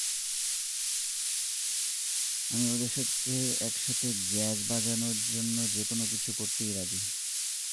আমি ওদের সাথে একসাথে জ্যাজ বাজানোর জন্য যেকোনোকিছু করতেই রাজি।